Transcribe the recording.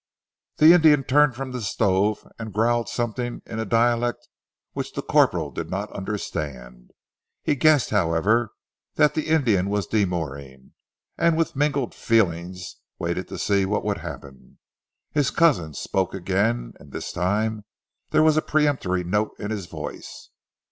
The Indian turned from the stove and growled something in a dialect which the corporal did not understand. He guessed, however, that the Indian was demurring, and with mingled feelings waited to see what would happen. His cousin spoke again, and this time there was a peremptory note in his voice.